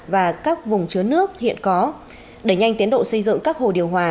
và các vùng chứa nước hiện có đẩy nhanh tiến độ xây dựng các hồ điều hòa